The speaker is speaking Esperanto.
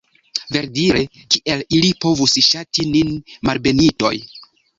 Verdire, kiel ili povus ŝati nin, malbenitoj?